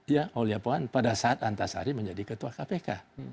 ya aulia pohan pada saat antasari menjadi ketua kpk